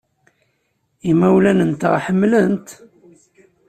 Imawlan-nteɣ ḥemmlen-t.